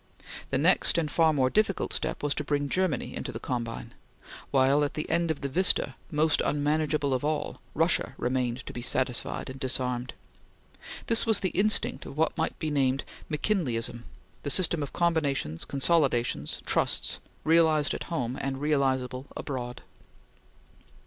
The next, and far more difficult step, was to bring Germany into the combine; while, at the end of the vista, most unmanageable of all, Russia remained to be satisfied and disarmed. This was the instinct of what might be named McKinleyism; the system of combinations, consolidations, trusts, realized at home, and realizable abroad.